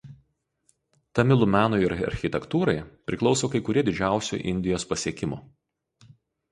Tamilų menui ir architektūrai priklauso kai kurie didžiausių Indijos pasiekimų.